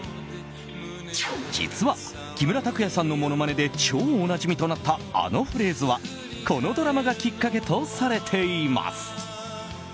実は木村拓哉さんのものまねで超おなじみとなったあのフレーズは、このドラマがきっかけとされています。